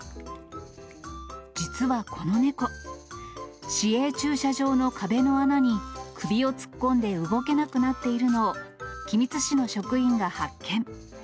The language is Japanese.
実はこの猫、市営駐車場の壁の穴に、首を突っ込んで動けなくなっているのを、君津市の職員が発見。